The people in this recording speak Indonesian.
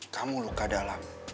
kamu luka dalam